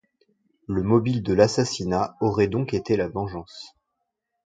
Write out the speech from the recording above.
Le mobile de l'assassinat aurait donc été la vengeance.